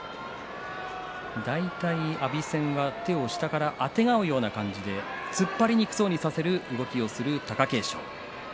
大体、阿炎戦は手を下からあてがうような感じで突っ張りにくそうにさせる動きをする貴景勝。